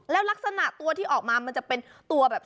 แล้วลักษณะตัวที่ออกมามันจะเป็นตัวแบบ